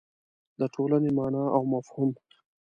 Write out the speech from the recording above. د ټولنې مانا او مفهوم